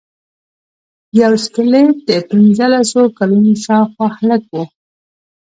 یو سکلیټ د پنځلسو کلونو شاوخوا هلک و.